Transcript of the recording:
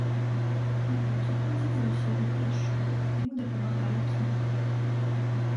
На працу ходзіць заўсёды пешшу, яму дапамагае кій.